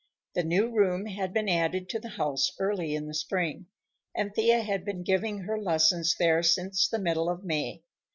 The new room had been added to the house early in the spring, and Thea had been giving her lessons there since the middle of May.